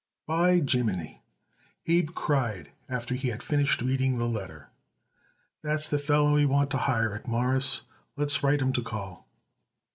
"By jimminy!" Abe cried after he had finished reading the letter. "That's the feller we want to hire it, Mawruss. Let's write him to call."